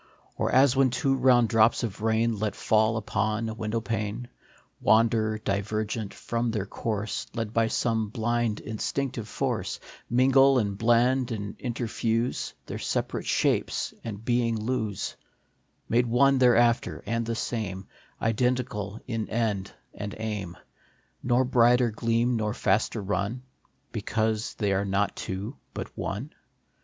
Or as when two round drops of rain, Let fall upon a window pane, Wander, divergent, from their course, Led by some blind, instinctive force, Mingle and blend and interfuse, Their separate shapes and being lose, Made one thereafter and the same, Identical in end and aim, Nor brighter gleam, nor faster run, Because they are not two, but one